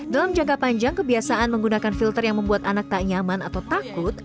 dalam jangka panjang kebiasaan menggunakan filter yang membuat anak tak nyaman atau takut